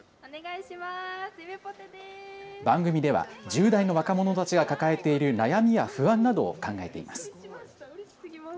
番組では１０代の若者たちが抱えている悩みや不安などを考えています。